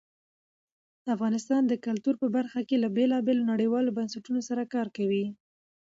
افغانستان د کلتور په برخه کې له بېلابېلو نړیوالو بنسټونو سره کار کوي.